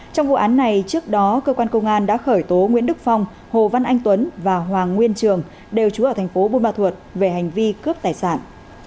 trong vụ án này trước đó cơ quan công an đã khởi tố nguyễn đức phong hồ văn anh tuấn và hoàng nguyên trường đều trú ở thành phố buôn ma thuột về hành vi cướp tài sản